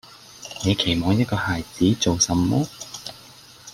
你期望一個孩子做什麼？